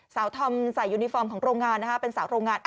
ทอมใส่ยูนิฟอร์มของโรงงานเป็นสาวโรงงาน